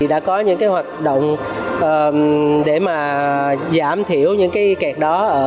đã có những hoạt động để giảm thiểu những cái kẹt đó